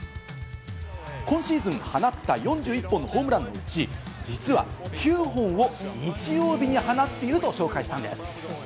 今シーズン放った４１本のホームランのうち、実は９本を日曜日に放っていると紹介したんです。